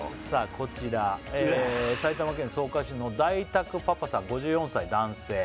こちら埼玉県草加市のダイタクパパさん５４歳男性